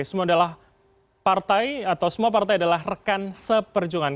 semua adalah partai atau semua partai adalah rekan seperjuangan